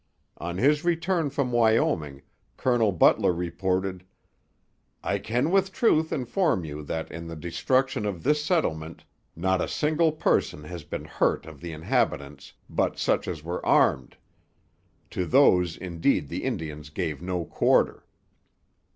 On his return from Wyoming, Colonel Butler reported: 'I can with truth inform you that in the destruction of this settlement not a single person has been hurt of the inhabitants, but such as were armed; to those indeed the Indians gave no quarter.'